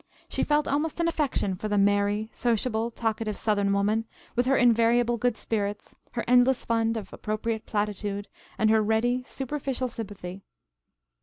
She felt almost an affection for the merry, sociable talkative Southern woman, with her invariable good spirits, her endless fund of appropriate platitude and her ready, superficial sympathy.